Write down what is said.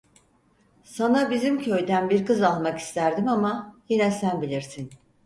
Sana bizim köyden bir kız almak isterdim ama, yine sen bilirsin…